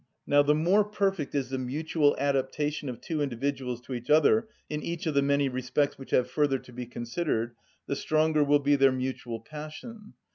Now the more perfect is the mutual adaptation of two individuals to each other in each of the many respects which have further to be considered, the stronger will be their mutual passion.